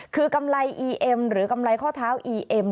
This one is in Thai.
คือกำไรอีเอ็มหรือกำไรข้อเท้าอีเอ็ม